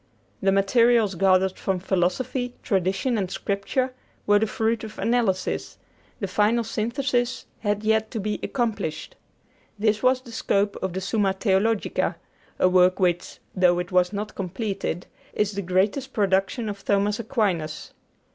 The materials gathered from Philosophy, Tradition, and Scripture were the fruit of analysis; the final synthesis had yet to be accomplished. This was the scope of the 'Summa Theologica,' a work which, though it was not completed, is the greatest production of Thomas Aquinas.